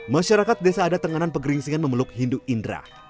masyarakat desa ada tenganan pegeringsingan memeluk hindu indra